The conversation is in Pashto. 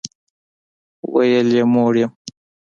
ویل یې موړ یم.